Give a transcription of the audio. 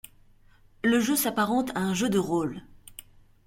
Le jeu s'apparente à un jeu de rôle.